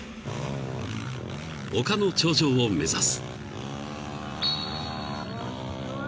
［丘の頂上を目指す］